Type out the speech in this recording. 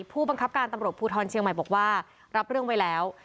ผู้บังคับการตำรวจภูทรเชียงใหม่บอกว่ารับเรื่องไว้แล้ว